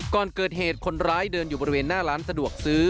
ก่อนเกิดเหตุคนร้ายเดินอยู่บริเวณหน้าร้านสะดวกซื้อ